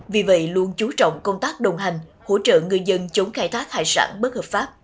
vì vậy luôn chú trọng công tác đồng hành hỗ trợ người dân chống khai thác hải sản bất hợp pháp